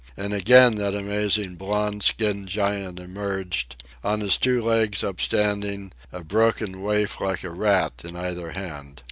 And again that amazing blond skinned giant emerged, on his two legs upstanding, a broken waif like a rat in either hand.